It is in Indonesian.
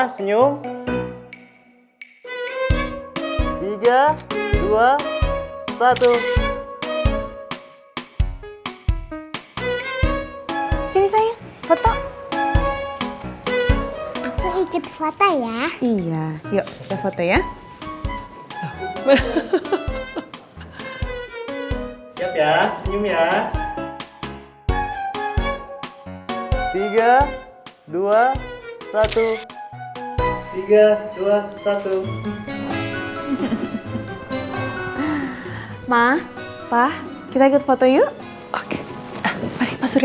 semoga itu jodohnya randy